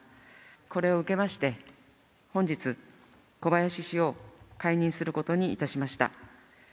これを受けまして、本日、小林氏を解任することにいたしました。